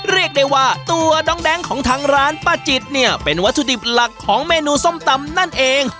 เรียกได้ว่าตัวน้องแบงค์ของทางร้านป้าจิตเนี่ยเป็นวัตถุดิบหลักของเมนูส้มตำนั่นเอง